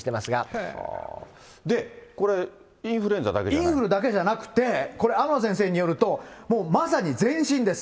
これ、インフルだけじゃなくて、これ、天野先生によると、まさに全身です。